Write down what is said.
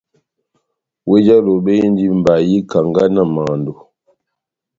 Wéh já Lobe indi mbayi, kanga, mando,